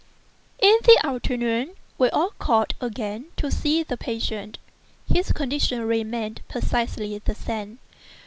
In the afternoon we all called again to see the patient. His condition remained precisely the same.